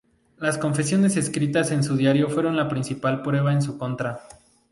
Las confesiones escritas en su diario fueron la principal prueba en su contra.